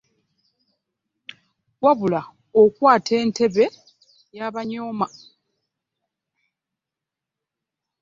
Wabula Okwata entebe y'abanyooma!